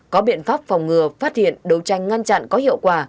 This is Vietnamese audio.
có biện pháp phòng ngừa phát hiện đấu tranh ngăn chặn có hiệu quả